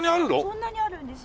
そんなにあるんですよ。